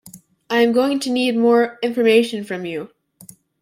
I am going to need more information from you